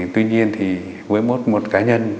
tuy nhiên thì với một cá nhân